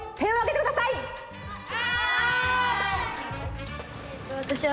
はい！